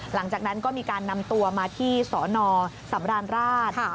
หลังจากนั้นก็มีการนำตัวมาที่สนสำราญราช